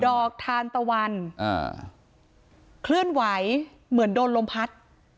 อกทานตะวันอ่าเคลื่อนไหวเหมือนโดนลมพัด